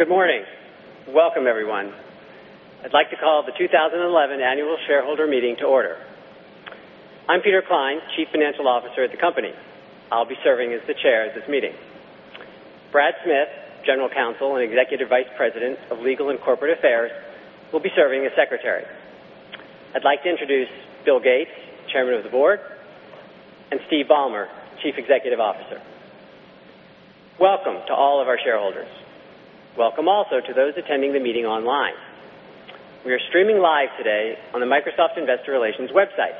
Good morning. Welcome, everyone. I'd like to call the 2011 Annual Shareholder Meeting to order. I'm Peter Klein, Chief Financial Officer at the company. I'll be serving as the Chair of this meeting. Brad Smith, General Counsel and Executive Vice President of Legal and Corporate Affairs, will be serving as Secretary. I'd like to introduce Bill Gates, Chairman of the Board, and Steve Ballmer, Chief Executive Officer. Welcome to all of our shareholders. Welcome also to those attending the meeting online. We are streaming live today on the Microsoft Investor Relations website.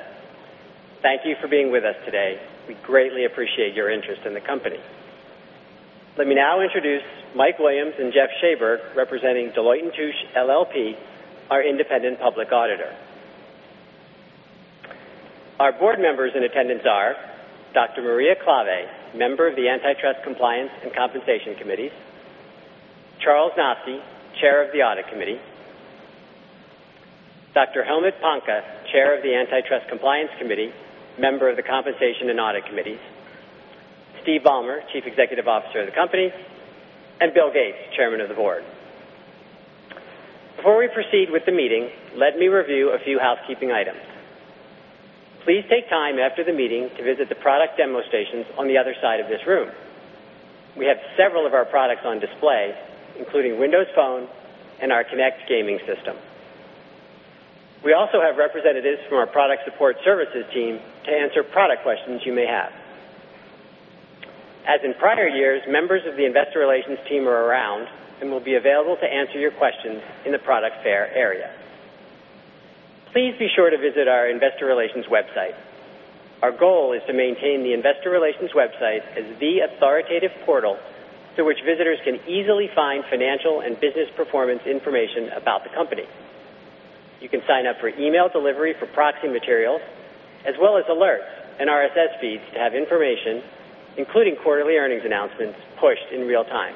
Thank you for being with us today. We greatly appreciate your interest in the company. Let me now introduce Mike Williams and Jeff Schaeberg, representing Deloitte & Touche LLP, our independent public auditor. Our board members in attendance are Dr. Maria Klawe, Member of the Antitrust Compliance and Compensation Committees; Charles H. Noski, Chair of the Audit Committee; Dr. Helmut Panke, Chair of the Antitrust Compliance Committee, Member of the Compensation and Audit Committees; Steve Ballmer, Chief Executive Officer of the company; and Bill Gates, Chairman of the Board. Before we proceed with the meeting, let me review a few housekeeping items. Please take time after the meeting to visit the product demo stations on the other side of this room. We have several of our products on display, including Windows Phone and our Kinect gaming system. We also have representatives from our Product Support Services team to answer product questions you may have. As in prior years, members of the Investor Relations team are around and will be available to answer your questions in the product fair area. Please be sure to visit our Investor Relations website. Our goal is to maintain the Investor Relations website as the authoritative portal through which visitors can easily find financial and business performance information about the company. You can sign up for email delivery for proxy materials, as well as alerts and RSS feeds to have information, including quarterly earnings announcements, pushed in real time.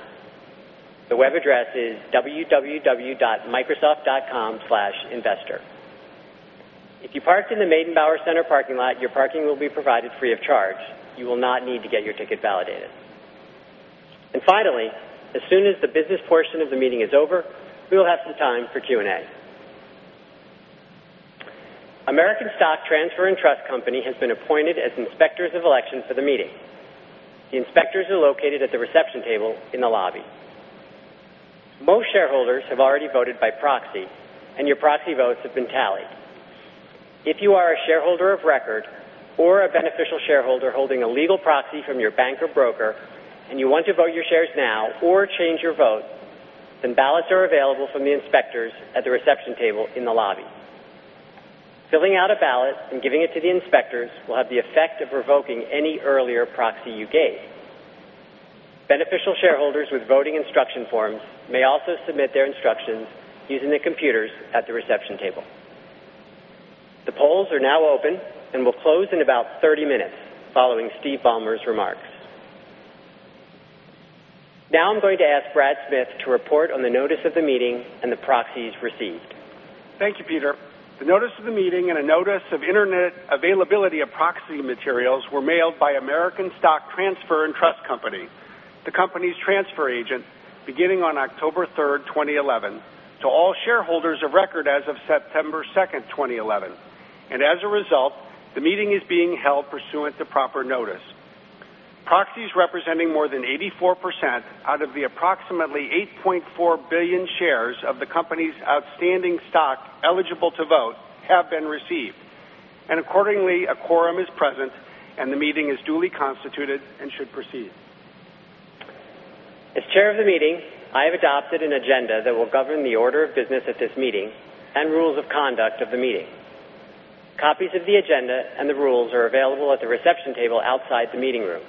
The web address is www.microsoft.com/investor. If you parked in the Meydenbauer Center parking lot, your parking will be provided free of charge. You will not need to get your ticket validated. Finally, as soon as the business portion of the meeting is over, we will have some time for Q&A. American Stock Transfer and Trust Company has been appointed as Inspectors of Election for the meeting. The Inspectors are located at the reception table in the lobby. Most shareholders have already voted by proxy, and your proxy votes have been tallied. If you are a shareholder of record or a beneficial shareholder holding a legal proxy from your bank or broker, and you want to vote your shares now or change your vote, ballots are available from the Inspectors at the reception table in the lobby. Filling out a ballot and giving it to the Inspectors will have the effect of revoking any earlier proxy you gave. Beneficial shareholders with voting instruction forms may also submit their instructions using the computers at the reception table. The polls are now open and will close in about 30 minutes following Steve Ballmer's remarks. Now I'm going to ask Brad Smith to report on the notice of the meeting and the proxies received. Thank you, Peter. The notice of the meeting and a notice of internet availability of proxy materials were mailed by American Stock Transfer and Trust Company, the company's transfer agent, beginning on October 3, 2011, to all shareholders of record as of September 2, 2011. As a result, the meeting is being held pursuant to proper notice. Proxies representing more than 84% out of the approximately 8.4 billion shares of the company's outstanding stock eligible to vote have been received. Accordingly, a quorum is present, and the meeting is duly constituted and should proceed. As Chair of the meeting, I have adopted an agenda that will govern the order of business at this meeting and rules of conduct of the meeting. Copies of the agenda and the rules are available at the reception table outside the meeting room.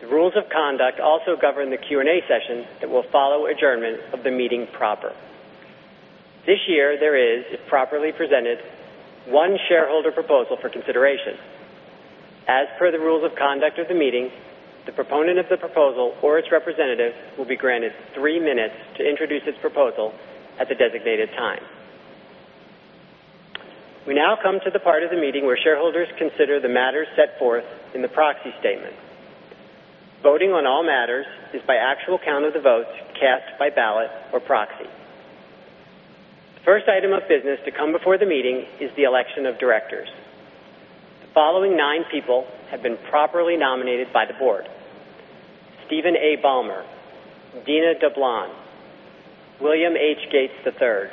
The rules of conduct also govern the Q&A session that will follow adjournment of the meeting proper. This year, there is, if properly presented, one shareholder proposal for consideration. As per the rules of conduct of the meeting, the proponent of the proposal or its representatives will be granted three minutes to introduce its proposal at the designated time. We now come to the part of the meeting where shareholders consider the matters set forth in the proxy statement. Voting on all matters is by actual count of the votes cast by ballot or proxy. The first item of business to come before the meeting is the election of directors. The following nine people have been properly nominated by the board: Steven A. Ballmer, Dina Dublon, Bill Gates,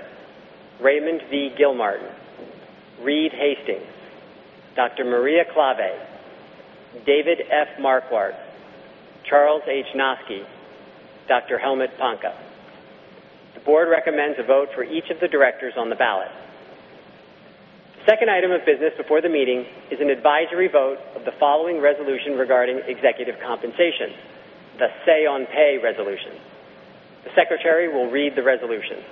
Raymond V. Gilmartin, Reed Hastings, Dr. Maria Klawe, David F. Marquardt, Charles H. Noski, and Dr. Helmut Panke. The board recommends a vote for each of the directors on the ballot. The second item of business before the meeting is an advisory vote of the following resolution regarding executive compensation, the Say on Pay resolution. The Secretary will read the resolution.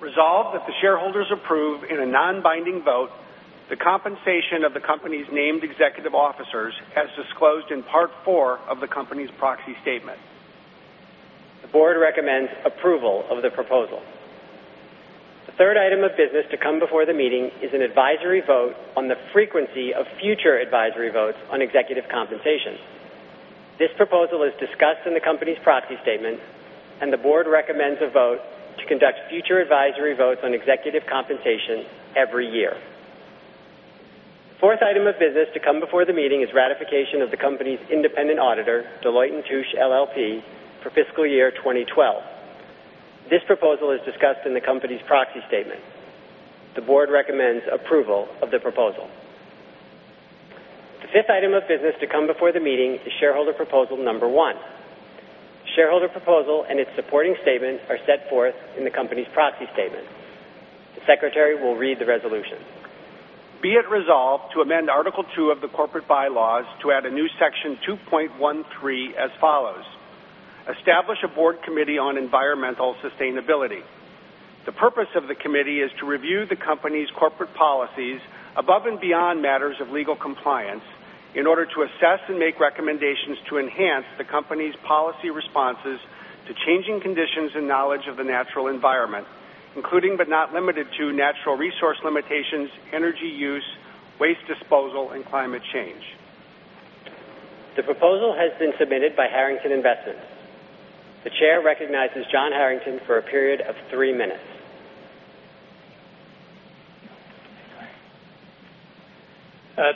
Resolve that the shareholders approve in a non-binding vote the compensation of the company's named executive officers, as disclosed in Part 4 of the company's proxy statement. The board recommends approval of the proposal. The third item of business to come before the meeting is an advisory vote on the frequency of future advisory votes on executive compensation. This proposal is discussed in the company's proxy statement, and the board recommends a vote to conduct future advisory votes on executive compensation every year. The fourth item of business to come before the meeting is ratification of the company's independent auditor, Deloitte & Touche LLP, for fiscal year 2012. This proposal is discussed in the company's proxy statement. The board recommends approval of the proposal. The fifth item of business to come before the meeting is shareholder proposal number one. The shareholder proposal and its supporting statement are set forth in the company's proxy statement. The Secretary will read the resolution. Be it resolved to amend Article 2 of the Corporate Bylaws to add a new Section 2.13 as follows: Establish a Board Committee on Environmental Sustainability. The purpose of the committee is to review the company's corporate policies above and beyond matters of legal compliance in order to assess and make recommendations to enhance the company's policy responses to changing conditions and knowledge of the natural environment, including but not limited to natural resource limitations, energy use, waste disposal, and climate change. The proposal has been submitted by Harrington Investments. The Chair recognizes John Harrington for a period of three minutes.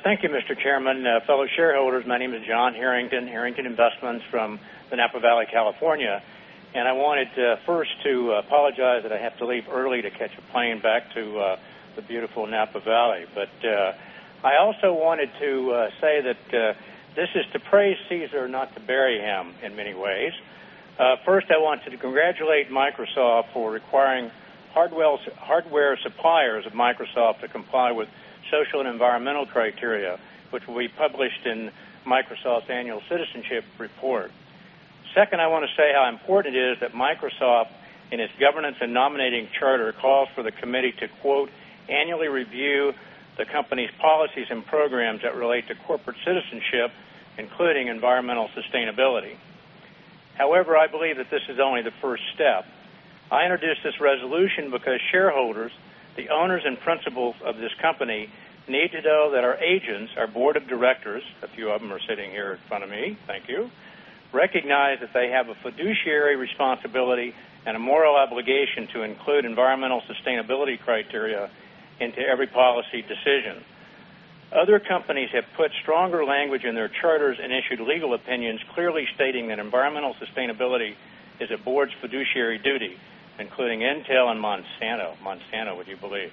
Thank you, Mr. Chairman. Fellow shareholders, my name is John Harrington, Harrington Investments from the Napa Valley, California. I wanted first to apologize that I have to leave early to catch a plane back to the beautiful Napa Valley. I also wanted to say that this is to praise Caesar, not to bury him in many ways. First, I want to congratulate Microsoft for requiring hardware suppliers of Microsoft to comply with social and environmental criteria, which will be published in Microsoft's annual citizenship report. Second, I want to say how important it is that Microsoft, in its governance and nominating charter, calls for the committee to, quote, "annually review the company's policies and programs that relate to corporate citizenship, including environmental sustainability." However, I believe that this is only the first step. I introduced this resolution because shareholders, the owners and principals of this company, need to know that our agents, our board of directors, a few of them are sitting here in front of me, thank you, recognize that they have a fiduciary responsibility and a moral obligation to include environmental sustainability criteria into every policy decision. Other companies have put stronger language in their charters and issued legal opinions clearly stating that environmental sustainability is a board's fiduciary duty, including Intel and Monsanto. Monsanto, would you believe?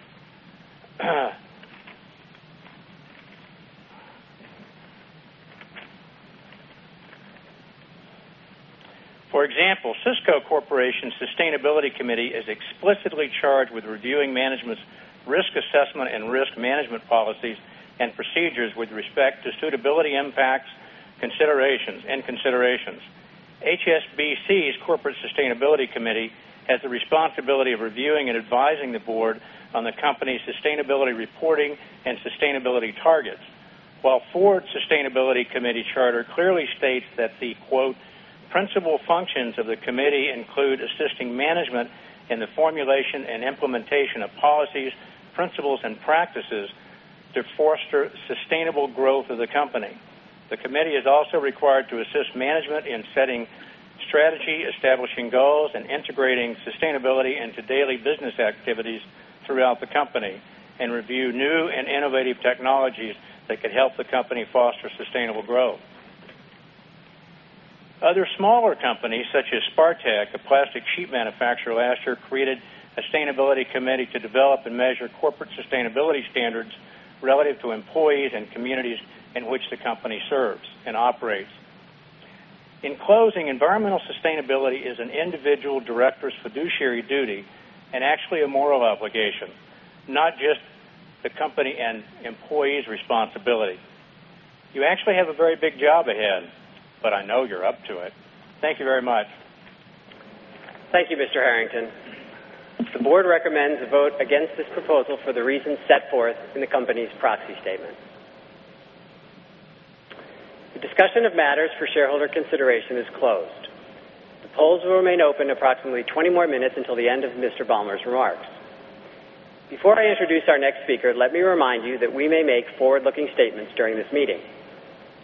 For example, Cisco Corporation's Sustainability Committee is explicitly charged with reviewing management's risk assessment and risk management policies and procedures with respect to sustainability impacts and considerations. HSBC's Corporate Sustainability Committee has the responsibility of reviewing and advising the board on the company's sustainability reporting and sustainability targets, while Ford's Sustainability Committee charter clearly states that the, quote, "principal functions of the committee include assisting management in the formulation and implementation of policies, principles, and practices to foster sustainable growth of the company." The committee is also required to assist management in setting strategy, establishing goals, and integrating sustainability into daily business activities throughout the company, and review new and innovative technologies that could help the company foster sustainable growth. Other smaller companies, such as Spartech, a plastic sheet manufacturer, last year created a sustainability committee to develop and measure corporate sustainability standards relative to employees and communities in which the company serves and operates. In closing, environmental sustainability is an individual director's fiduciary duty and actually a moral obligation, not just the company and employees' responsibility. You actually have a very big job ahead, but I know you're up to it. Thank you very much. Thank you, Mr. Harrington. The board recommends a vote against this proposal for the reasons set forth in the company's proxy statement. The discussion of matters for shareholder consideration is closed. The polls will remain open approximately 20 more minutes until the end of Mr. Ballmer's remarks. Before I introduce our next speaker, let me remind you that we may make forward-looking statements during this meeting.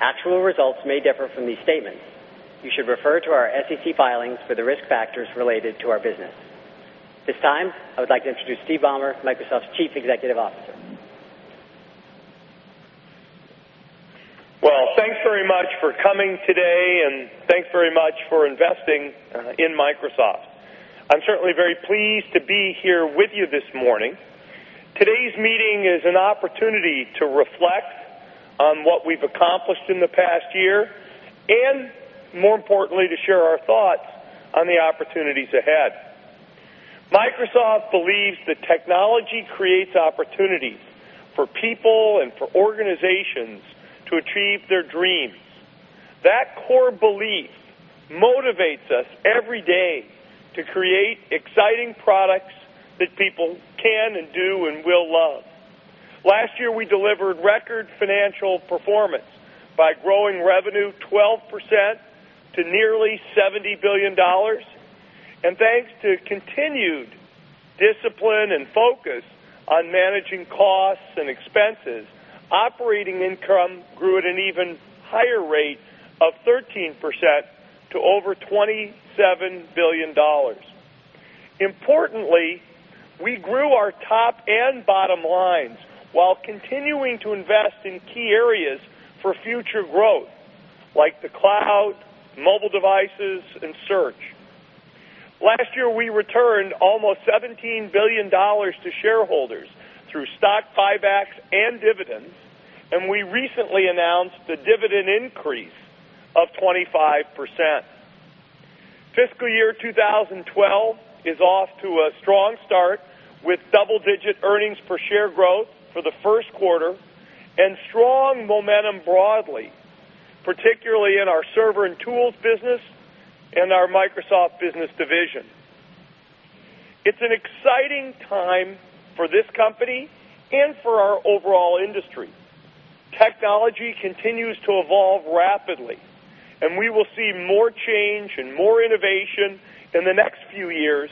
Actual results may differ from these statements. You should refer to our SEC filings for the risk factors related to our business. At this time, I would like to introduce Steve Ballmer, Microsoft's Chief Executive Officer. Thank you very much for coming today, and thank you very much for investing in Microsoft. I'm certainly very pleased to be here with you this morning. Today's meeting is an opportunity to reflect on what we've accomplished in the past year, and more importantly, to share our thoughts on the opportunities ahead. Microsoft believes that technology creates opportunities for people and for organizations to achieve their dreams. That core belief motivates us every day to create exciting products that people can and do and will love. Last year, we delivered record financial performance by growing revenue 12% to nearly $70 billion. Thanks to continued discipline and focus on managing costs and expenses, operating income grew at an even higher rate of 13% to over $27 billion. Importantly, we grew our top and bottom lines while continuing to invest in key areas for future growth, like the cloud, mobile devices, and search. Last year, we returned almost $17 billion to shareholders through stock buybacks and dividends, and we recently announced a dividend increase of 25%. Fiscal year 2012 is off to a strong start with double-digit earnings per share growth for the first quarter and strong momentum broadly, particularly in our server and tools business and our Microsoft Business Division. It's an exciting time for this company and for our overall industry. Technology continues to evolve rapidly, and we will see more change and more innovation in the next few years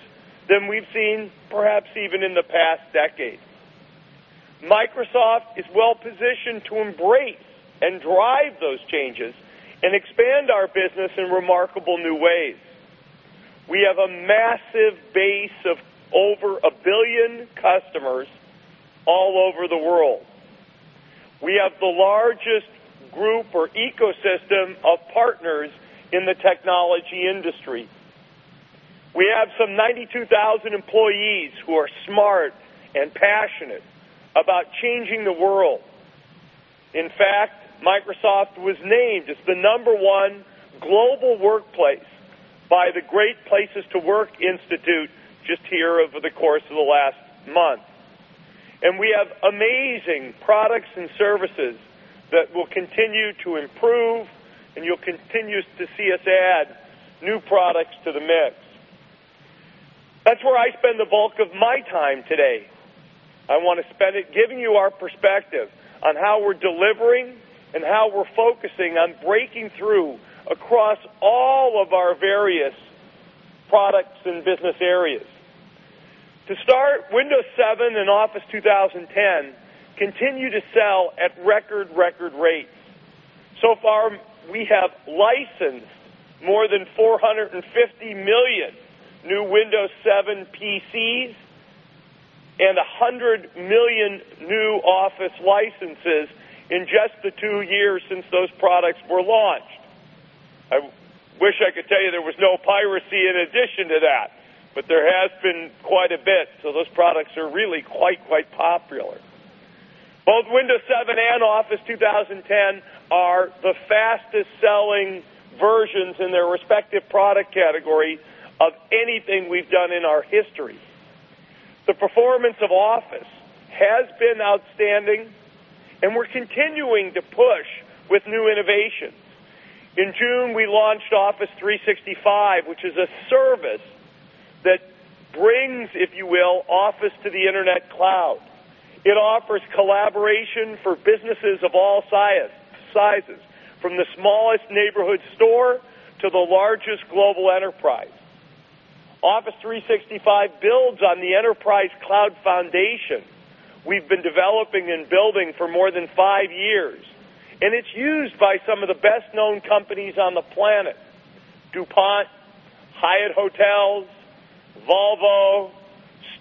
than we've seen perhaps even in the past decade. Microsoft is well positioned to embrace and drive those changes and expand our business in remarkable new ways. We have a massive base of over a billion customers all over the world. We have the largest group or ecosystem of partners in the technology industry. We have some 92,000 employees who are smart and passionate about changing the world. In fact, Microsoft was named as the number one global workplace by the Great Places to Work Institute just here over the course of the last month. We have amazing products and services that will continue to improve, and you'll continue to see us add new products to the mix. That's where I spend the bulk of my time today. I want to spend it giving you our perspective on how we're delivering and how we're focusing on breaking through across all of our various products and business areas. To start, Windows 7 and Office 2010 continue to sell at record, record rates. So far, we have licensed more than 450 million new Windows 7 PCs and 100 million new Office licenses in just the two years since those products were launched. I wish I could tell you there was no piracy in addition to that, but there has been quite a bit, so those products are really quite, quite popular. Both Windows 7 and Office 2010 are the fastest-selling versions in their respective product category of anything we've done in our history. The performance of Office has been outstanding, and we're continuing to push with new innovations. In June, we launched Office 365, which is a service that brings, if you will, Office to the Internet Cloud. It offers collaboration for businesses of all sizes, from the smallest neighborhood store to the largest global enterprise. Office 365 builds on the Enterprise Cloud Foundation we've been developing and building for more than five years, and it's used by some of the best-known companies on the planet: DuPont, Hyatt Hotels, Volvo,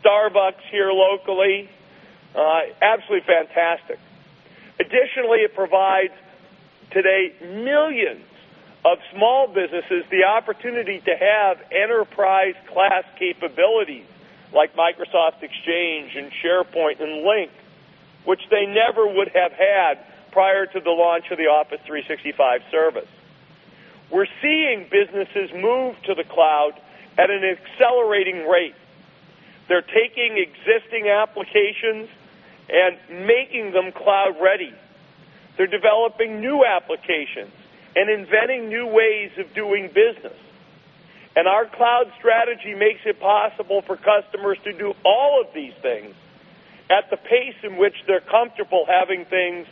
Starbucks here locally. Absolutely fantastic. Additionally, it provides today millions of small businesses the opportunity to have enterprise-class capabilities like Microsoft Exchange and SharePoint and Lync, which they never would have had prior to the launch of the Office 365 service. We're seeing businesses move to the cloud at an accelerating rate. They're taking existing applications and making them cloud-ready. They're developing new applications and inventing new ways of doing business. Our cloud strategy makes it possible for customers to do all of these things at the pace in which they're comfortable having things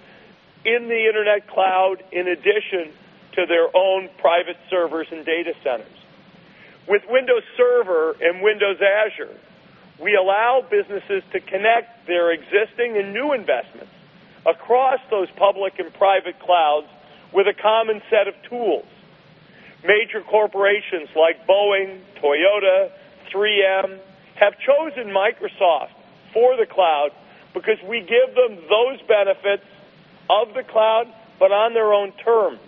in the Internet Cloud in addition to their own private servers and data centers. With Windows Server and Windows Azure, we allow businesses to connect their existing and new investments across those public and private clouds with a common set of tools. Major corporations like Boeing, Toyota, 3M have chosen Microsoft for the cloud because we give them those benefits of the cloud, but on their own terms.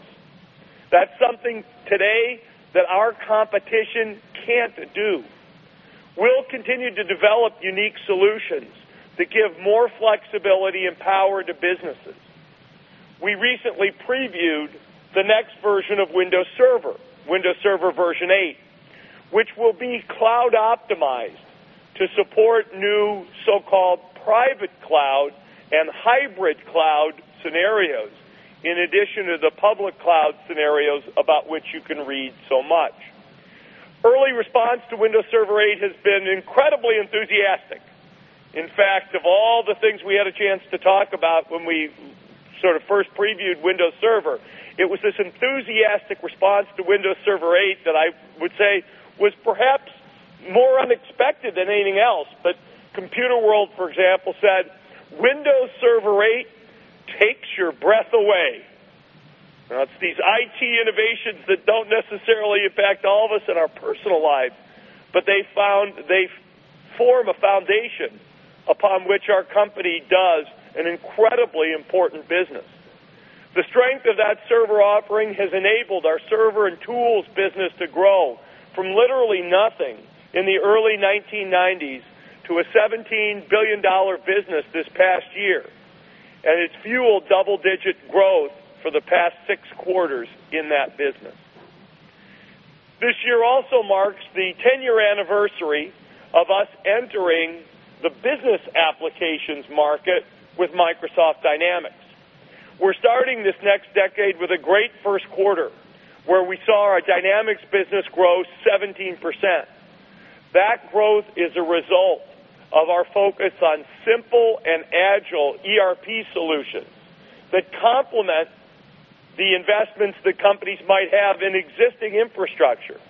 That's something today that our competition can't do. We'll continue to develop unique solutions that give more flexibility and power to businesses. We recently previewed the next version of Windows Server, Windows Server Version 8, which will be cloud-optimized to support new so-called private cloud and hybrid cloud scenarios, in addition to the public cloud scenarios about which you can read so much. Early response to Windows Server 8 has been incredibly enthusiastic. In fact, of all the things we had a chance to talk about when we first previewed Windows Server, it was this enthusiastic response to Windows Server 8 that I would say was perhaps more unexpected than anything else. Computer World, for example, said, "Windows Server 8 takes your breath away." These IT innovations do not necessarily affect all of us in our personal lives, but they form a foundation upon which our company does an incredibly important business. The strength of that server offering has enabled our server and tools business to grow from literally nothing in the early 1990s to a $17 billion business this past year. It has fueled double-digit growth for the past six quarters in that business. This year also marks the 10-year anniversary of us entering the business applications market with Microsoft Dynamics. We're starting this next decade with a great first quarter where we saw our Dynamics business grow 17%. That growth is a result of our focus on simple and agile ERP solutions that complement the investments that companies might have in existing infrastructure.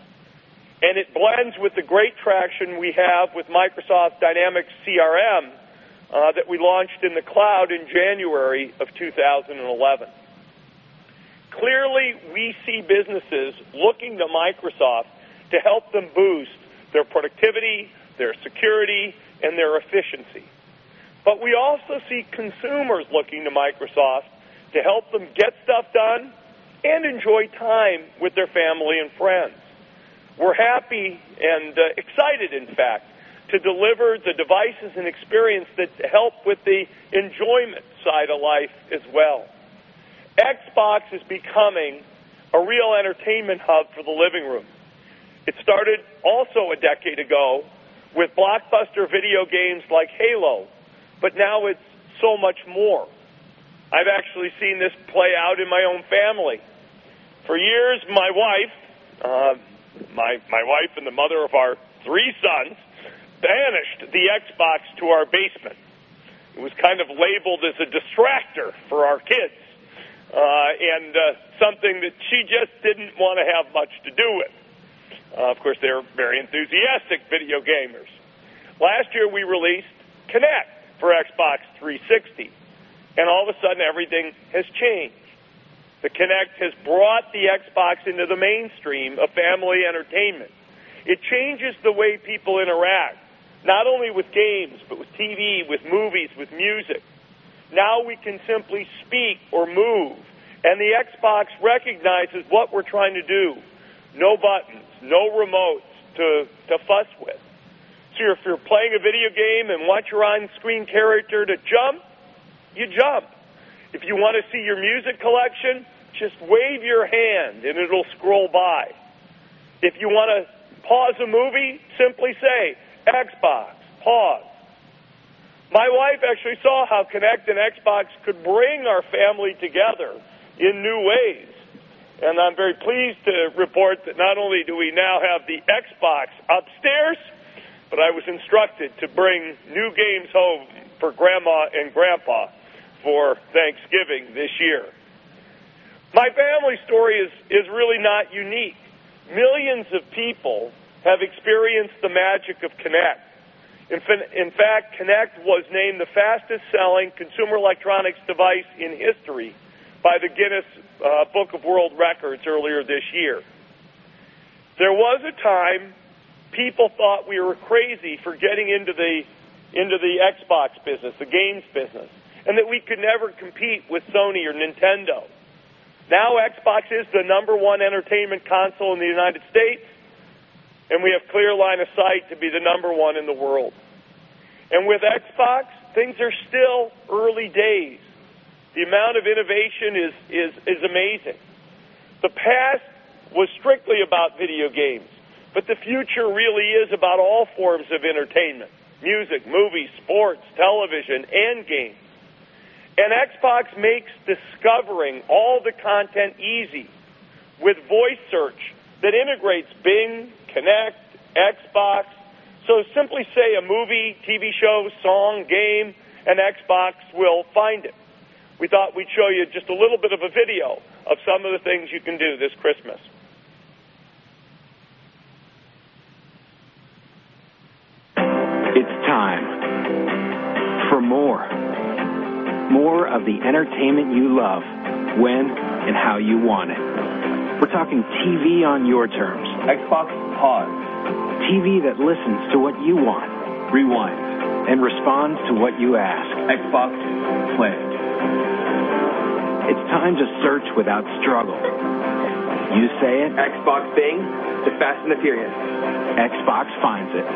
It blends with the great traction we have with Microsoft Dynamics CRM that we launched in the cloud in January of 2011. Clearly, we see businesses looking to Microsoft to help them boost their productivity, their security, and their efficiency. We also see consumers looking to Microsoft to help them get stuff done and enjoy time with their family and friends. We're happy and excited, in fact, to deliver the devices and experience that help with the enjoyment side of life as well. Xbox is becoming a real entertainment hub for the living room. It started also a decade ago with blockbuster video games like Halo, but now it's so much more. I've actually seen this play out in my own family. For years, my wife, my wife and the mother of our three sons, banished the Xbox to our basement. It was kind of labeled as a distractor for our kids and something that she just didn't want to have much to do with. Of course, they're very enthusiastic video gamers. Last year, we released Kinect for Xbox 360, and all of a sudden, everything has changed. The Kinect has brought the Xbox into the mainstream of family entertainment. It changes the way people interact, not only with games but with TV, with movies, with music. Now we can simply speak or move, and the Xbox recognizes what we're trying to do. No buttons, no remotes to fuss with. If you're playing a video game and want your on-screen character to jump, you jump. If you want to see your music collection, just wave your hand and it'll scroll by. If you want to pause a movie, simply say, "Xbox, pause." My wife actually saw how Kinect and Xbox could bring our family together in new ways. I'm very pleased to report that not only do we now have the Xbox upstairs, but I was instructed to bring new games home for grandma and grandpa for Thanksgiving this year. My family story is really not unique. Millions of people have experienced the magic of Kinect. In fact, Kinect was named the fastest-selling consumer electronics device in history by the Guinness Book of World Records earlier this year. There was a time people thought we were crazy for getting into the Xbox business, the games business, and that we could never compete with Sony or Nintendo. Now Xbox is the number one entertainment console in the United States, and we have a clear line of sight to be the number one in the world. With Xbox, things are still early days. The amount of innovation is amazing. The past was strictly about video games, but the future really is about all forms of entertainment: music, movies, sports, television, and games. Xbox makes discovering all the content easy with voice search that integrates Bing, Kinect, Xbox. Simply say a movie, TV show, song, game, and Xbox will find it. We thought we'd show you just a little bit of a video of some of the things you can do this Christmas. It's time for more, more of the entertainment you love when and how you want it. We're talking TV on your terms. Xbox Pod. TV that listens to what you want. Rewind. It responds to what you ask. Xbox Play. It's time to search without struggle. You say it. Xbox Bing. To fasten the period. Xbox finds it.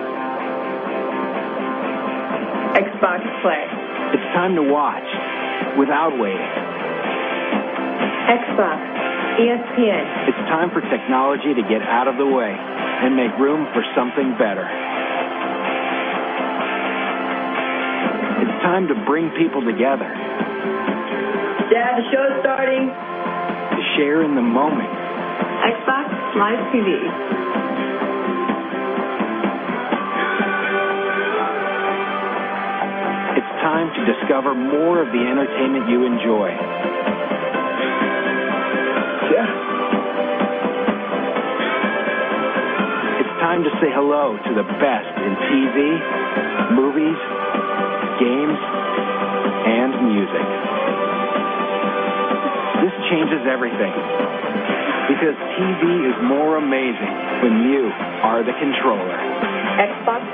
Xbox Play. It's time to watch without waiting. Xbox ESPN. It's time for technology to get out of the way and make room for something better. Time to bring people together. Dad, the show is starting. To share in the moment. Xbox Smart TV. It's time to discover more of the entertainment you enjoy. It's time to say hello to the best in TV, movies, games, and music. This changes everything because TV is more amazing when you are the controller. Xbox.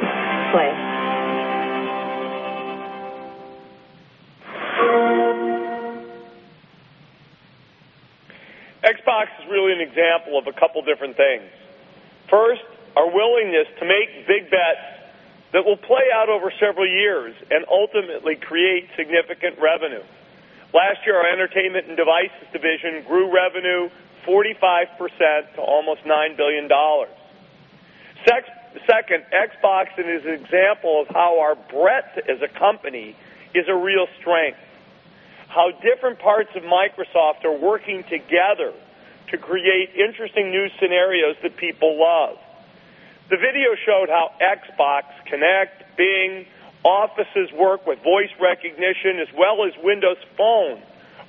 Xbox is really an example of a couple of different things. First, our willingness to make big bets that will play out over several years and ultimately create significant revenue. Last year, our Entertainment and Devices Division grew revenue 45% to almost $9 billion. Second, Xbox is an example of how our breadth as a company is a real strength, how different parts of Microsoft are working together to create interesting new scenarios that people love. The video showed how Xbox, Kinect, Bing, Office's work with voice recognition, as well as Windows Phone,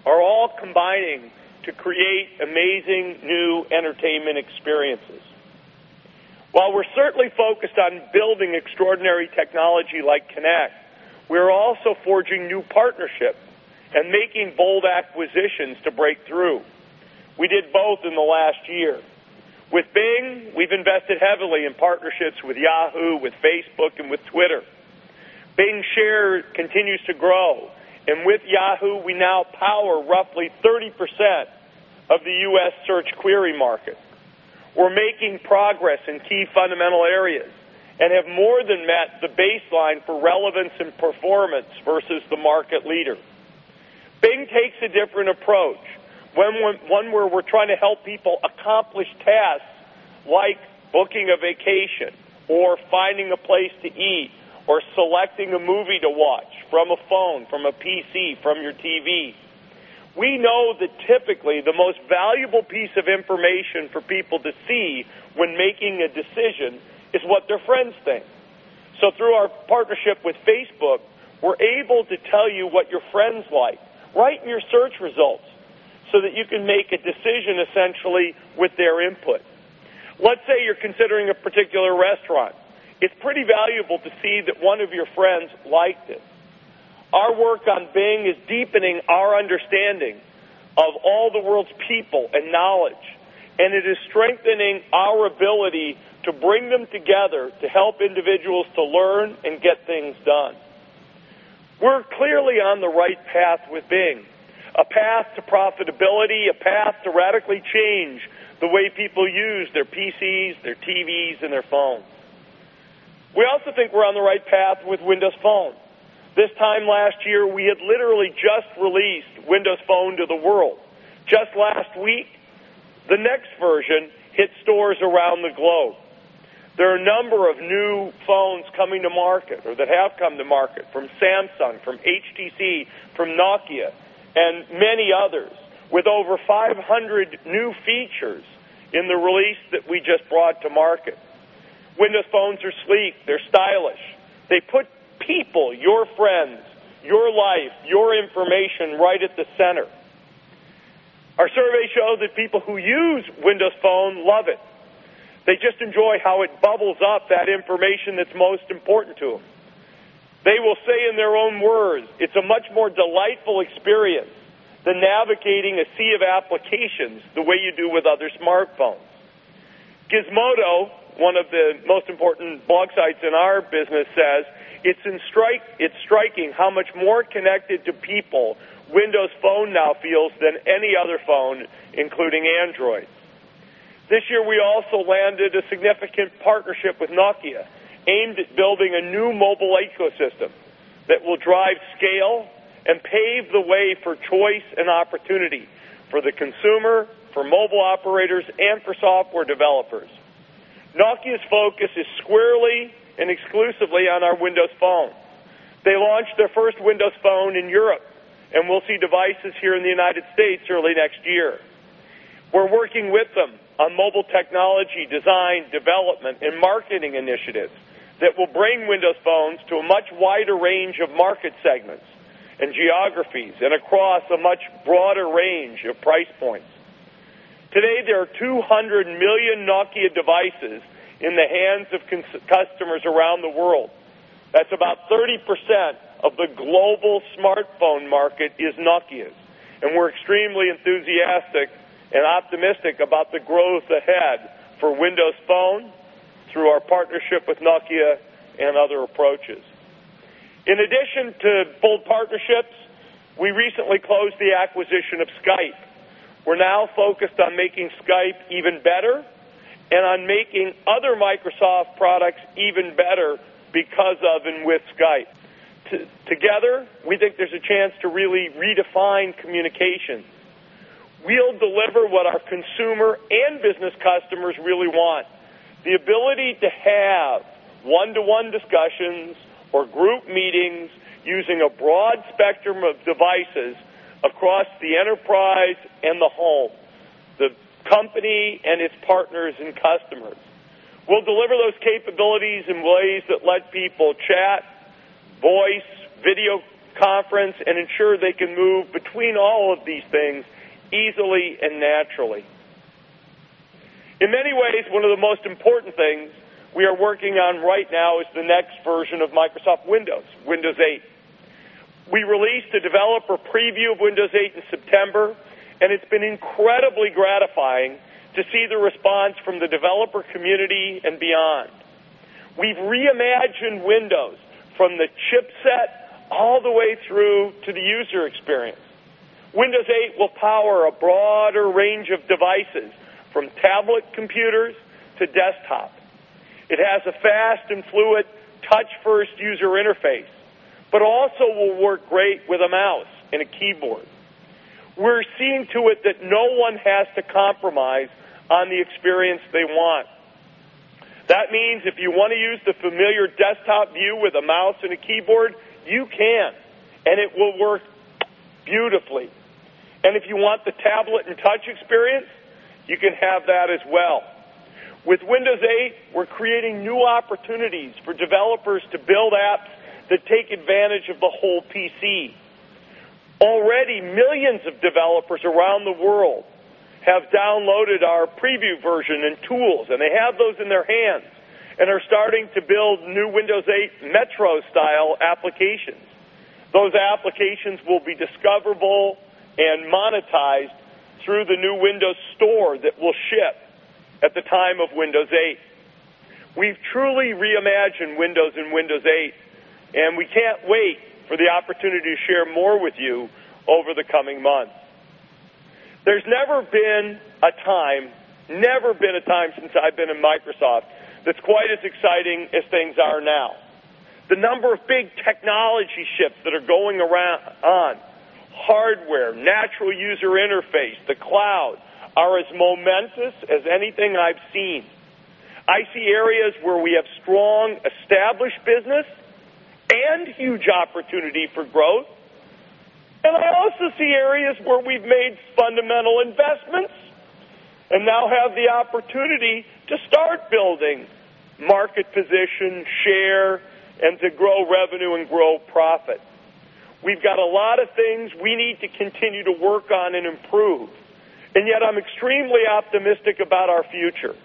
are all combining to create amazing new entertainment experiences. While we're certainly focused on building extraordinary technology like Kinect, we're also forging new partnerships and making bold acquisitions to break through. We did both in the last year. With Bing, we've invested heavily in partnerships with Yahoo, with Facebook, and with Twitter. Bing share continues to grow, and with Yahoo, we now power roughly 30% of the U.S. search query market. We're making progress in key fundamental areas and have more than met the baseline for relevance and performance versus the market leader. Bing takes a different approach when we're trying to help people accomplish tasks like booking a vacation or finding a place to eat or selecting a movie to watch from a phone, from a PC, from your TV. We know that typically the most valuable piece of information for people to see when making a decision is what their friends think. Through our partnership with Facebook, we're able to tell you what your friends like right in your search results so that you can make a decision essentially with their input. Let's say you're considering a particular restaurant. It's pretty valuable to see that one of your friends liked it. Our work on Bing is deepening our understanding of all the world's people and knowledge, and it is strengthening our ability to bring them together to help individuals learn and get things done. We're clearly on the right path with Bing, a path to profitability, a path to radically change the way people use their PCs, their TVs, and their phones. We also think we're on the right path with Windows Phone. This time last year, we had literally just released Windows Phone to the world. Just last week, the next version hit stores around the globe. There are a number of new phones coming to market or that have come to market from Samsung, from HTC, from Nokia, and many others with over 500 new features in the release that we just brought to market. Windows Phones are sleek. They're stylish. They put people, your friends, your life, your information right at the center. Our surveys show that people who use Windows Phone love it. They just enjoy how it bubbles up that information that's most important to them. They will say in their own words, "It's a much more delightful experience than navigating a sea of applications the way you do with other smartphones." Gizmodo, one of the most important blog sites in our business, says, "It's striking how much more connected to people Windows Phone now feels than any other phone, including Android." This year, we also landed a significant partnership with Nokia aimed at building a new mobile ecosystem that will drive scale and pave the way for choice and opportunity for the consumer, for mobile operators, and for software developers. Nokia's focus is squarely and exclusively on our Windows Phone. They launched their first Windows Phone in Europe and will see devices here in the United States early next year. We're working with them on mobile technology design, development, and marketing initiatives that will bring Windows Phones to a much wider range of market segments and geographies and across a much broader range of price points. Today, there are 200 million Nokia devices in the hands of customers around the world. That's about 30% of the global smartphone market is Nokia's, and we're extremely enthusiastic and optimistic about the growth ahead for Windows Phone through our partnership with Nokia and other approaches. In addition to full partnerships, we recently closed the acquisition of Skype. We're now focused on making Skype even better and on making other Microsoft products even better because of and with Skype. Together, we think there's a chance to really redefine communication. We'll deliver what our consumer and business customers really want: the ability to have one-to-one discussions or group meetings using a broad spectrum of devices across the enterprise and the home, the company and its partners and customers. We'll deliver those capabilities in ways that let people chat, voice, video conference, and ensure they can move between all of these things easily and naturally. In many ways, one of the most important things we are working on right now is the next version of Microsoft Windows, Windows 8. We released a developer preview of Windows 8 in September, and it's been incredibly gratifying to see the response from the developer community and beyond. We've reimagined Windows from the chipset all the way through to the user experience. Windows 8 will power a broader range of devices from tablet computers to desktop. It has a fast and fluid touch-first user interface, but also will work great with a mouse and a keyboard. We're seeing to it that no one has to compromise on the experience they want. That means if you want to use the familiar desktop view with a mouse and a keyboard, you can, and it will work beautifully. If you want the tablet and touch experience, you can have that as well. With Windows 8, we're creating new opportunities for developers to build apps that take advantage of the whole PC. Already, millions of developers around the world have downloaded our preview version and tools, and they have those in their hands and are starting to build new Windows 8 Metro-style applications. Those applications will be discoverable and monetized through the new Windows Store that will ship at the time of Windows 8. We've truly reimagined Windows and Windows 8, and we can't wait for the opportunity to share more with you over the coming months. There's never been a time, never been a time since I've been in Microsoft that's quite as exciting as things are now. The number of big technology shifts that are going on, hardware, natural user interface, the cloud, are as momentous as anything I've seen. I see areas where we have strong established business and huge opportunity for growth, and I also see areas where we've made fundamental investments and now have the opportunity to start building market position, share, and to grow revenue and grow profit. We've got a lot of things we need to continue to work on and improve, yet I'm extremely optimistic about our future,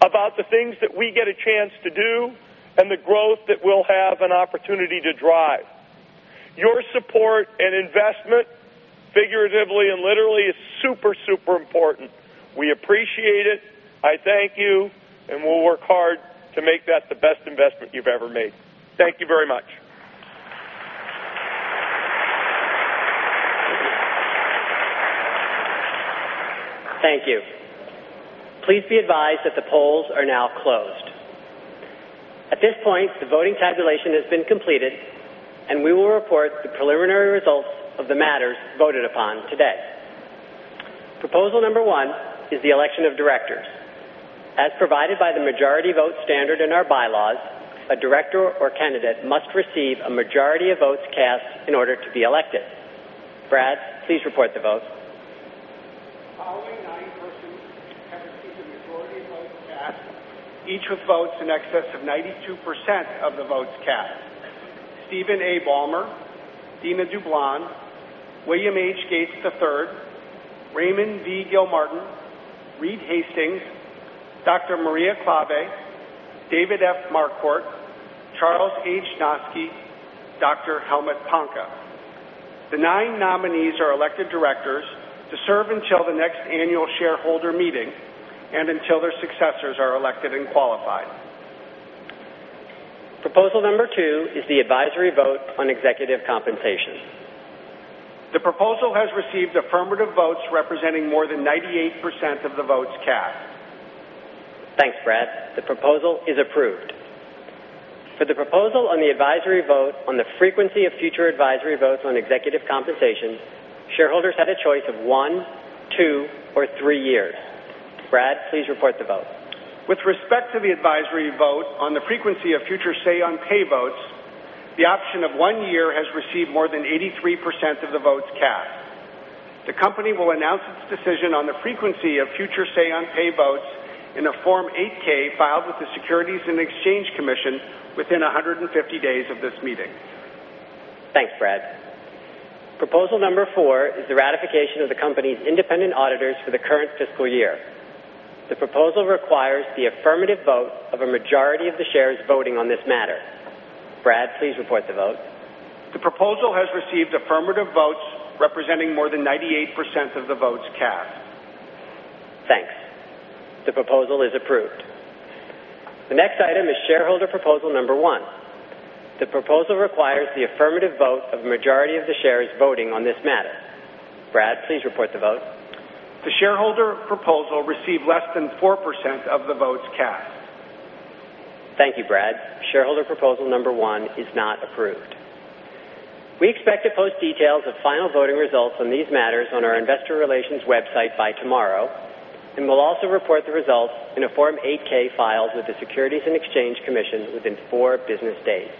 about the things that we get a chance to do and the growth that we'll have an opportunity to drive. Your support and investment, figuratively and literally, is super, super important. We appreciate it. I thank you, and we'll work hard to make that the best investment you've ever made. Thank you very much. Thank you. Please be advised that the polls are now closed. At this point, the voting tabulation has been completed, and we will report the preliminary results of the matters voted upon today. Proposal number one is the election of directors. As provided by the majority vote standard in our bylaws, a director or candidate must receive a majority of votes cast in order to be elected. Brad, please report the votes. Ally Knight, who hasn't seen the majority vote cast, each of votes in excess of 92% of the votes cast: Steve Ballmer, Dina Dublon, Bill Gates, Raymond V. Gilmartin, Reed Hastings, Dr. Maria Klawe, David F. Marquardt, Charles H. Noski, Dr. Helmut Panke. The nine nominees are elected directors to serve until the next annual shareholder meeting and until their successors are elected and qualified. Proposal number two is the advisory vote on executive compensation. The proposal has received affirmative votes representing more than 98% of the votes cast. Thanks, Brad. The proposal is approved. For the proposal on the advisory vote on the frequency of future advisory votes on executive compensation, shareholders had a choice of one, two, or three years. Brad, please report the vote. With respect to the advisory vote on the frequency of future Say on Pay votes, the option of one year has received more than 83% of the votes cast. The company will announce its decision on the frequency of future Say on Pay votes in a Form 8-K filed with the Securities and Exchange Commission within 150 days of this meeting. Thanks, Brad. Proposal number four is the ratification of the company's independent auditors for the current fiscal year. The proposal requires the affirmative vote of a majority of the shares voting on this matter. Brad, please report the vote. The proposal has received affirmative votes representing more than 98% of the votes cast. Thanks. The proposal is approved. The next item is shareholder proposal number one. The proposal requires the affirmative vote of a majority of the shares voting on this matter. Brad, please report the vote. The shareholder proposal received less than 4% of the votes cast. Thank you, Brad. Shareholder proposal number one is not approved. We expect to post details of final voting results on these matters on our Investor Relations website by tomorrow, and we'll also report the results in a Form 8-K filed with the Securities and Exchange Commission within four business days.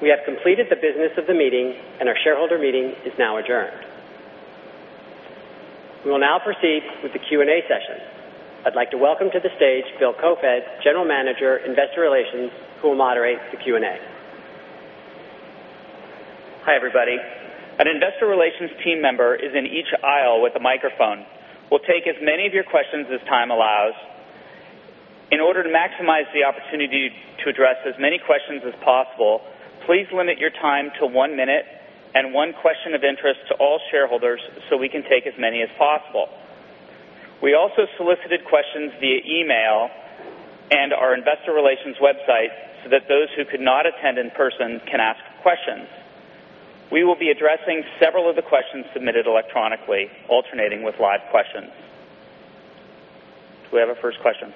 We have completed the business of the meeting, and our shareholder meeting is now adjourned. We will now proceed with the Q&A session. I'd like to welcome to the stage Bill Koefoed, General Manager, Investor Relations, who will moderate the Q&A. Hi everybody. An Investor Relations team member is in each aisle with a microphone. We'll take as many of your questions as time allows. In order to maximize the opportunity to address as many questions as possible, please limit your time to one minute and one question of interest to all shareholders so we can take as many as possible. We also solicited questions via email and our Investor Relations website so that those who could not attend in person can ask questions. We will be addressing several of the questions submitted electronically, alternating with live questions. Do we have a first question?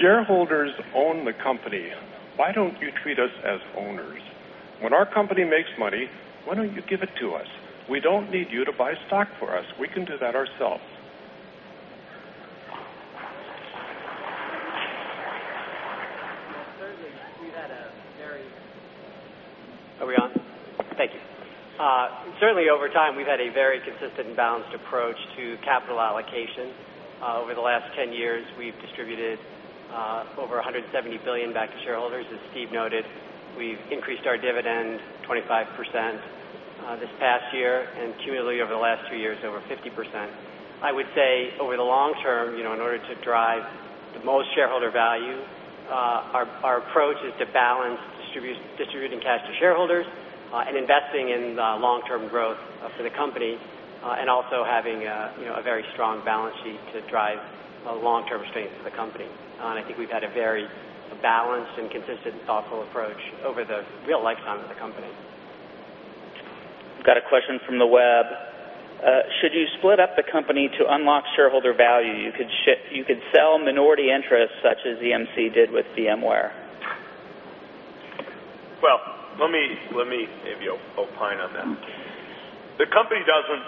Shareholders own the company. Why don't you treat us as owners? When our company makes money, why don't you give it to us? We don't need you to buy stock for us. We can do that ourselves. Are we on? Thank you. Certainly, over time, we've had a very consistent and balanced approach to capital allocation. Over the last 10 years, we've distributed over $170 billion back to shareholders, as Steve noted. We've increased our dividend 25% this past year and cumulatively over the last two years, over 50%. I would say over the long term, you know, in order to drive the most shareholder value, our approach is to balance distributing cash to shareholders and investing in long-term growth for the company, also having a very strong balance sheet to drive long-term strength for the company. I think we've had a very balanced and consistent and thoughtful approach over the real lifetime of the company. We've got a question from the web. Should you split up the company to unlock shareholder value? You could sell minority interests such as EMC did with VMware. Let me save you an opinion on that. The company doesn't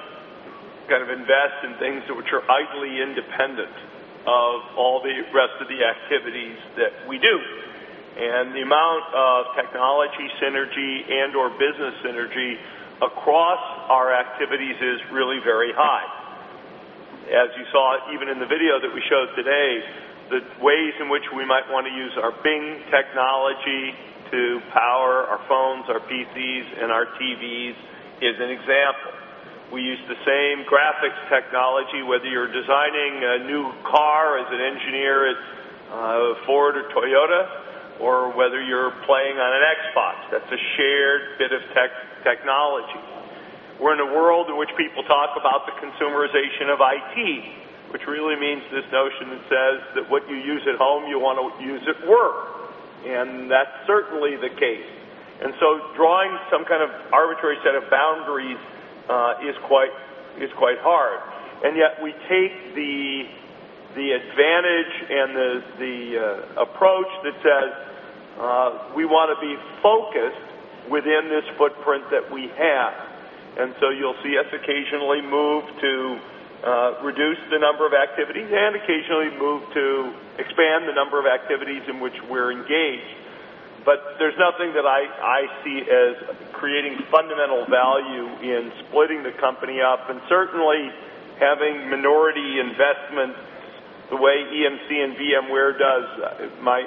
kind of invest in things which are highly independent of all the rest of the activities that we do. The amount of technology synergy and/or business synergy across our activities is really very high. As you saw, even in the video that we showed today, the ways in which we might want to use our Bing technology to power our phones, our PCs, and our TVs is an example. We use the same graphics technology, whether you're designing a new car as an engineer at Ford or Toyota, or whether you're playing on an Xbox. That's a shared bit of technology. We're in a world in which people talk about the consumerization of IT, which really means this notion that says that what you use at home, you want to use at work. That's certainly the case. Drawing some kind of arbitrary set of boundaries is quite hard. Yet we take the advantage and the approach that says we want to be focused within this footprint that we have. You'll see us occasionally move to reduce the number of activities and occasionally move to expand the number of activities in which we're engaged. There's nothing that I see as creating fundamental value in splitting the company up and certainly having minority investments the way EMC and VMware does. My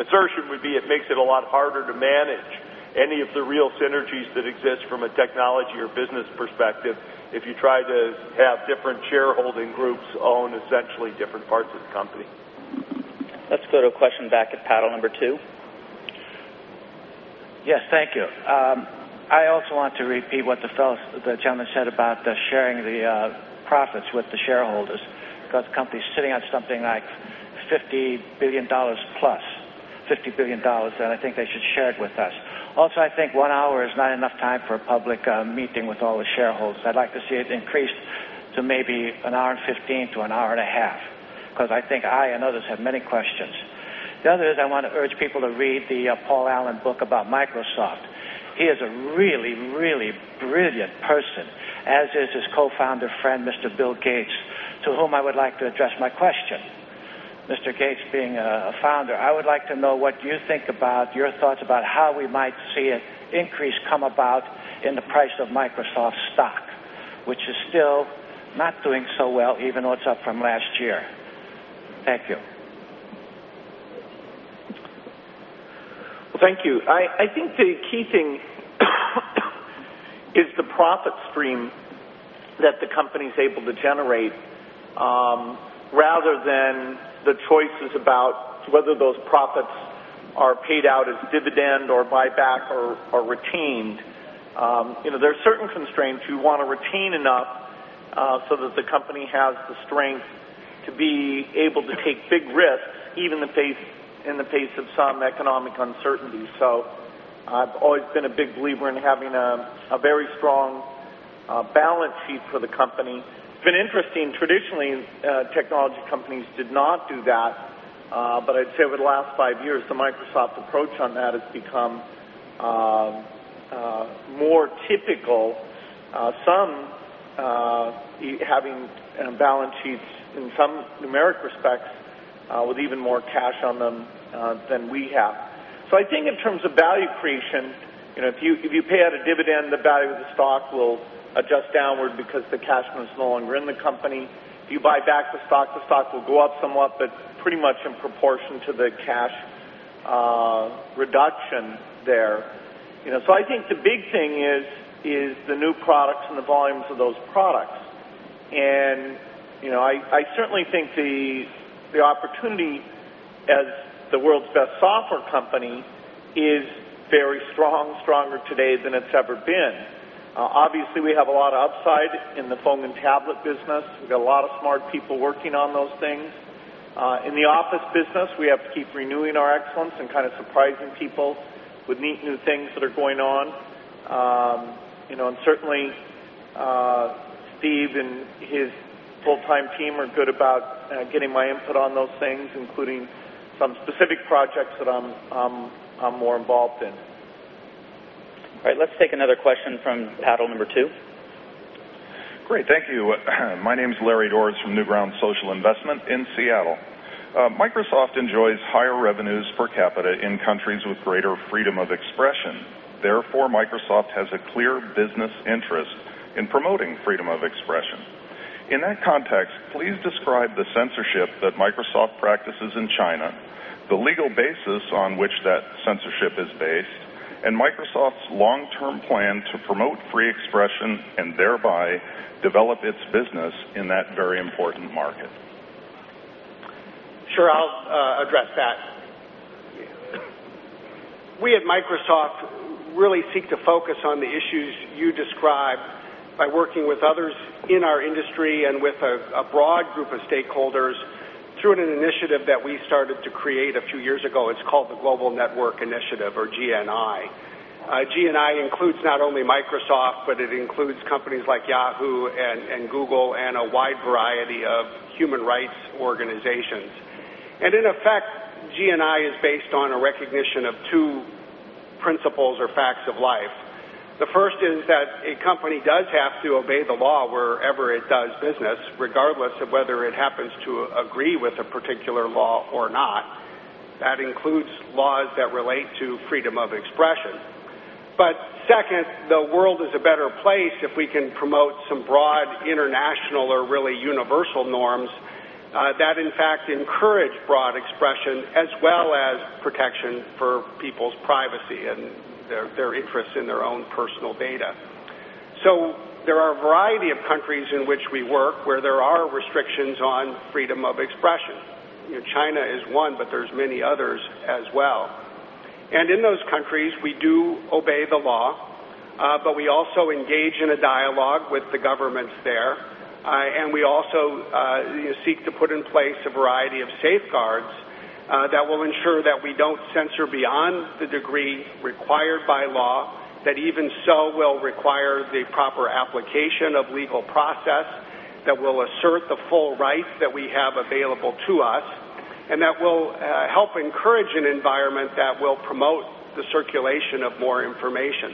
assertion would be it makes it a lot harder to manage any of the real synergies that exist from a technology or business perspective if you try to have different shareholding groups own essentially different parts of the company. Let's go to a question back at panel number two. Yes, thank you. I also want to repeat what the gentleman said about sharing the profits with the shareholders because the company is sitting on something like $50 billion plus, $50 billion, and I think they should share it with us. Also, I think one hour is not enough time for a public meeting with all the shareholders. I'd like to see it increased to maybe an hour and 15 to an hour and a half because I think I and others have many questions. The other is I want to urge people to read the Paul Allen book about Microsoft. He is a really, really brilliant person, as is his co-founder friend, Mr. Bill Gates, to whom I would like to address my question. Mr. Gates, being a founder, I would like to know what you think about your thoughts about how we might see an increase come about in the price of Microsoft stock, which is still not doing so well, even though it's up from last year. Thank you. Thank you. I think the key thing is the profit stream that the company is able to generate rather than the choices about whether those profits are paid out as dividend or buyback or retained. There are certain constraints; you want to retain enough so that the company has the strength to be able to take big risks even in the face of some economic uncertainty. I've always been a big believer in having a very strong balance sheet for the company. It's been interesting. Traditionally, technology companies did not do that, but I'd say over the last five years, the Microsoft approach on that has become more typical, some having balance sheets in some numeric respects with even more cash on them than we have. I think in terms of value creation, if you pay out a dividend, the value of the stock will adjust downward because the cash is no longer in the company. If you buy back the stock, the stock will go up somewhat, but pretty much in proportion to the cash reduction there. I think the big thing is the new products and the volumes of those products. I certainly think the opportunity as the world's best software company is very strong, stronger today than it's ever been. Obviously, we have a lot of upside in the phone and tablet business. We've got a lot of smart people working on those things. In the office business, we have to keep renewing our excellence and kind of surprising people with neat new things that are going on. Certainly, Steve and his full-time team are good about getting my input on those things, including some specific projects that I'm more involved in. All right, let's take another question from panel number two. Great, thank you. My name is Larry Dohrs from Newground Social Investment in Seattle. Microsoft enjoys higher revenues per capita in countries with greater freedom of expression. Therefore, Microsoft has a clear business interest in promoting freedom of expression. In that context, please describe the censorship that Microsoft practices in China, the legal basis on which that censorship is based, and Microsoft's long-term plan to promote free expression and thereby develop its business in that very important market. Sure, I'll address that. We at Microsoft really seek to focus on the issues you describe by working with others in our industry and with a broad group of stakeholders through an initiative that we started to create a few years ago. It's called the Global Network Initiative or GNI. GNI includes not only Microsoft, but it includes companies like Yahoo and Google and a wide variety of human rights organizations. In effect, GNI is based on a recognition of two principles or facts of life. The first is that a company does have to obey the law wherever it does business, regardless of whether it happens to agree with a particular law or not. That includes laws that relate to freedom of expression. The world is a better place if we can promote some broad international or really universal norms that, in fact, encourage broad expression as well as protection for people's privacy and their interests in their own personal data. There are a variety of countries in which we work where there are restrictions on freedom of expression. China is one, but there's many others as well. In those countries, we do obey the law, but we also engage in a dialogue with the governments there. We also seek to put in place a variety of safeguards that will ensure that we don't censor beyond the degree required by law, that even so will require the proper application of legal process, that will assert the full rights that we have available to us, and that will help encourage an environment that will promote the circulation of more information.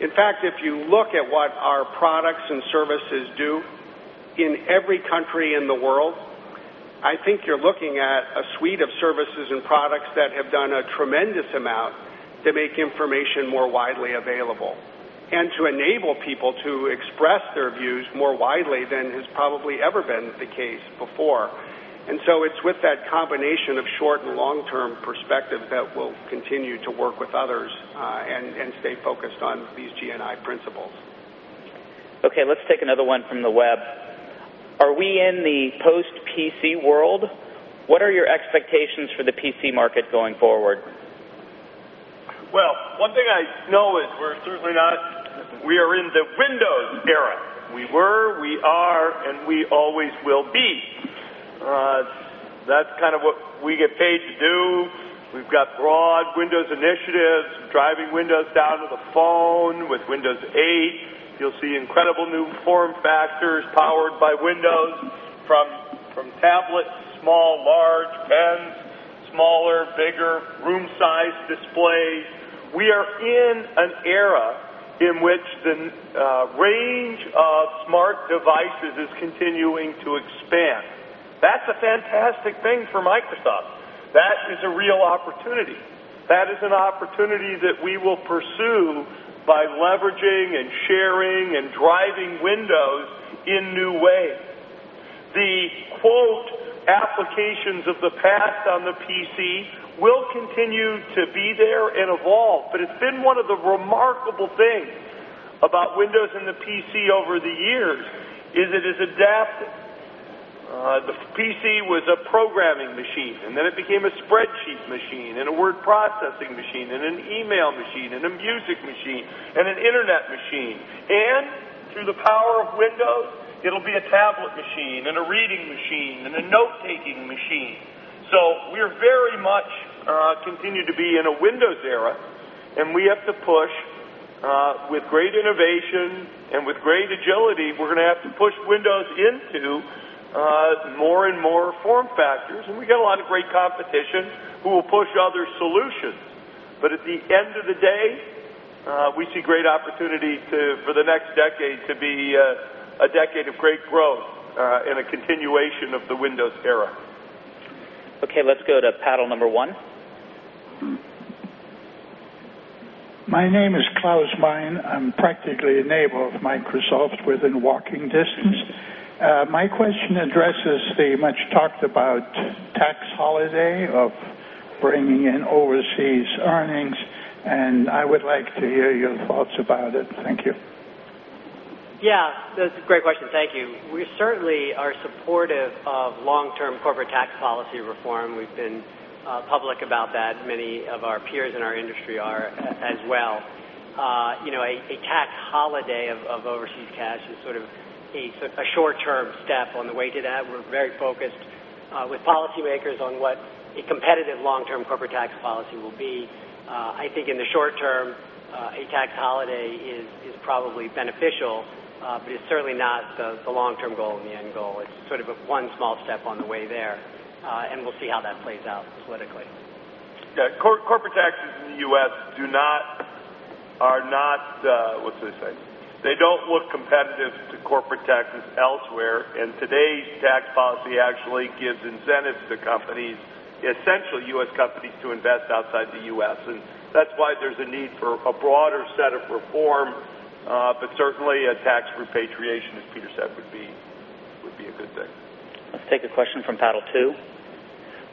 If you look at what our products and services do in every country in the world, I think you're looking at a suite of services and products that have done a tremendous amount to make information more widely available and to enable people to express their views more widely than has probably ever been the case before. It's with that combination of short and long-term perspectives that we'll continue to work with others and stay focused on these GNI principles. Okay, let's take another one from the web. Are we in the post-PC world? What are your expectations for the PC market going forward? One thing I know is we're certainly not, we are in the Windows era. We were, we are, and we always will be. That's kind of what we get paid to do. We've got broad Windows initiatives, driving Windows down to the phone with Windows 8. You'll see incredible new form factors powered by Windows from tablets, small, large, pens, smaller, bigger, room-sized displays. We are in an era in which the range of smart devices is continuing to expand. That's a fantastic thing for Microsoft. That is a real opportunity. That is an opportunity that we will pursue by leveraging and sharing and driving Windows in new ways. The quote "applications of the past" on the PC will continue to be there and evolve. It's been one of the remarkable things about Windows and the PC over the years; it has adapted. The PC was a programming machine, and then it became a spreadsheet machine and a word processing machine and an email machine and a music machine and an internet machine. Through the power of Windows, it'll be a tablet machine and a reading machine and a note-taking machine. We are very much continuing to be in a Windows era, and we have to push with great innovation and with great agility. We're going to have to push Windows into more and more form factors, and we've got a lot of great competition who will push other solutions. At the end of the day, we see great opportunity for the next decade to be a decade of great growth and a continuation of the Windows era. Okay, let's go to panel number one. My name is Klaus Meyen. I'm practically a neighbor of Microsoft within walking distance. My question addresses the much-talked-about tax holiday of bringing in overseas earnings, and I would like to hear your thoughts about it. Thank you. Yeah, that's a great question. Thank you. We certainly are supportive of long-term corporate tax policy reform. We've been public about that. Many of our peers in our industry are as well. You know, a tax holiday of overseas cash is sort of a short-term step on the way to that. We're very focused with policymakers on what a competitive long-term corporate tax policy will be. I think in the short term, a tax holiday is probably beneficial, but it's certainly not the long-term goal and the end goal. It's sort of one small step on the way there, and we'll see how that plays out politically. Corporate taxes in the U.S. are not the, what should I say? They don't look competitive to corporate taxes elsewhere. Today's tax policy actually gives incentives to companies, essentially U.S. companies, to invest outside the U.S. That's why there's a need for a broader set of reform. Certainly, a tax repatriation, as Peter said, would be a good thing. Let's take a question from panel two.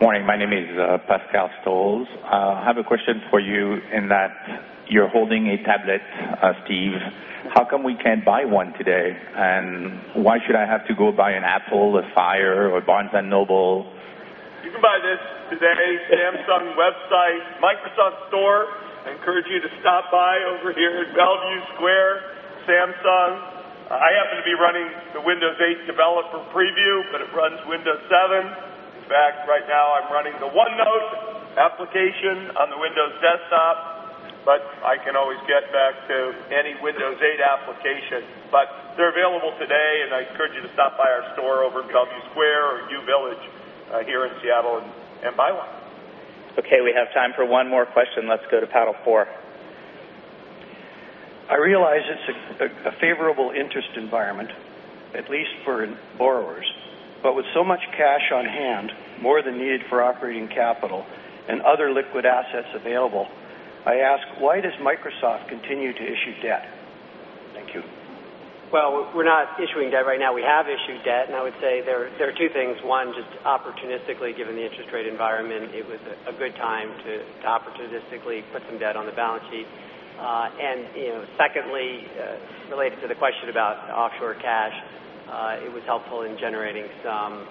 Morning, my name is Pascal Stolz. I have a question for you in that you're holding a tablet, Steve. How come we can't buy one today? Why should I have to go buy an Apple, a Fire, or a Barnes & Noble? You can buy this today, Samsung website, Microsoft Store. I encourage you to stop by over here at Bellevue Square, Samsung. I happen to be running the Windows 8 developer preview, but it runs Windows 7. In fact, right now I'm running the OneNote application on the Windows desktop, but I can always get back to any Windows 8 application. They're available today, and I encourage you to stop by our store over in Bellevue Square or U Village here in Seattle and buy one. Okay, we have time for one more question. Let's go to panel four. I realize it's a favorable interest environment, at least for borrowers. With so much cash on hand, more than needed for operating capital and other liquid assets available, I ask, why does Microsoft continue to issue debt? Thank you. We're not issuing debt right now. We have issued debt, and I would say there are two things. One, just opportunistically, given the interest rate environment, it was a good time to opportunistically put some debt on the balance sheet. Secondly, related to the question about offshore cash, it was helpful in generating some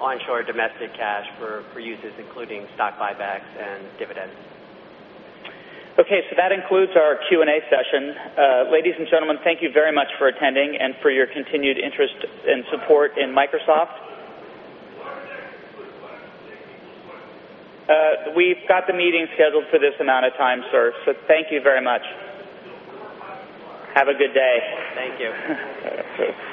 onshore domestic cash for uses, including stock buybacks and dividends. Okay, that includes our Q&A session. Ladies and gentlemen, thank you very much for attending and for your continued interest and support in Microsoft. We've got the meeting scheduled for this amount of time, sir. Thank you very much. Have a good day. Thank you.